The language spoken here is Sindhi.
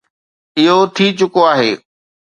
اهو ٿي چڪو آهي.